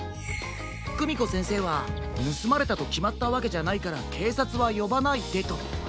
クミコせんせいは「ぬすまれたときまったわけじゃないからけいさつはよばないで」と。